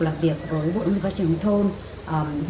làm việc với bộ nguyên văn truyền thông